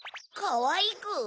かわいく？